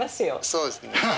そうですね。